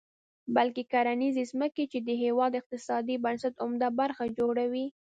بلکې کرنیزې ځمکې، چې د هېواد د اقتصادي بنسټ عمده برخه جوړوي.